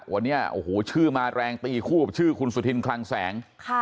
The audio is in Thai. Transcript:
วันนี้โอ้โหชื่อมาแรงตีคู่กับชื่อคุณสุธินคลังแสง